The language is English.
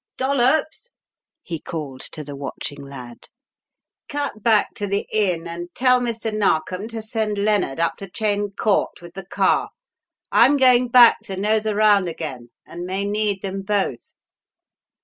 "Dollops," he called to the watching lad, "cut back to the Inn, and tell Mr. Narkom to send Lennard up to Cheyne Court with the car. I'm going back to nose around again, and may need them both."